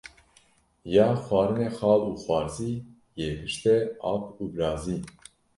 Ya xwarinê xal û xwarzî, yê piştê ap û birazî